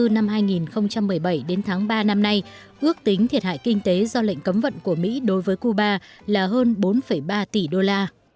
năm hai nghìn một mươi bảy đến tháng ba năm nay ước tính thiệt hại kinh tế do lệnh cấm vận của mỹ đối với cuba là hơn bốn ba tỷ đô la